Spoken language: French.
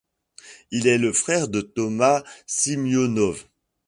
Il est le frère de Toma Simionov.